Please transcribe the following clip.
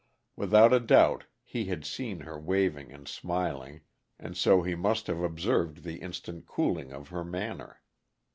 Without a doubt he had seen her waving and smiling, and so he must have observed the instant cooling of her manner.